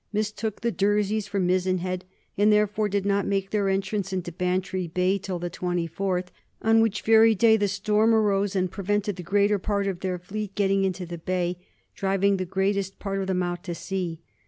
.. mistook the Durseys for Mizen Head, and therefore did not make their entrance into Bantry Bay till the 24th, on which very day the storm arose and prevented the greater part of their fleet getting into the Bay, driving the greatest part of them out to sea.